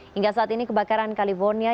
hingga saat ini kebakaran california